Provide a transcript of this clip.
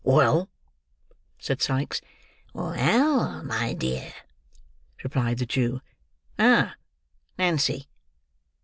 "Well!" said Sikes. "Well, my dear," replied the Jew.—"Ah! Nancy."